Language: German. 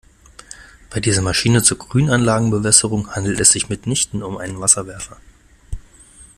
Bei dieser Maschine zur Grünanlagenbewässerung handelt es sich mitnichten um einen Wasserwerfer.